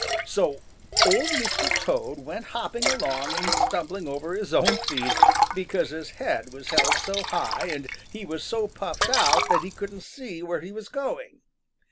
So Old Mr. Toad went hopping along and stumbling over his own feet, because his head was held so high and he was so puffed out that he couldn't see where he was going.